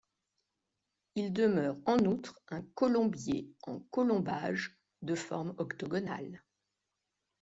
Il demeure en outre un colombier en colombages, de forme octogonale.